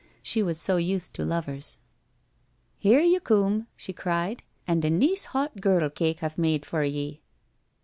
She was so used to lovers. ' Here ye coom !' she cried. ' And a neece hot girdle cake I've made for ye